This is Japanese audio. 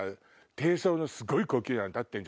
低層のすごい高級なの立ってる。